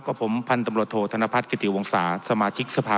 กับผมพันตมตับโรโธธนพัฒน์กระติวงศาสมาชิกเสภา